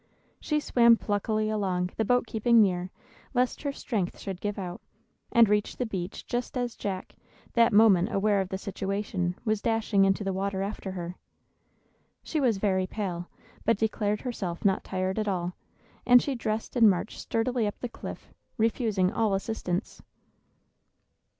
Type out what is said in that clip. She swam pluckily along, the boat keeping near, lest her strength should give out, and reached the beach just as Jack, that moment aware of the situation, was dashing into the water after her. She was very pale, but declared herself not tired at all, and she dressed and marched sturdily up the cliff, refusing all assistance.